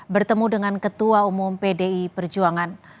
bertemu dengan ketua umum pdi perjuangan